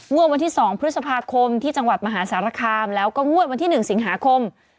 วันที่๒พฤษภาคมที่จังหวัดมหาสารคามแล้วก็งวดวันที่๑สิงหาคม